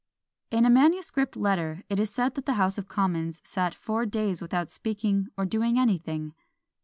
In a manuscript letter it is said that the House of Commons sat four days without speaking or doing anything.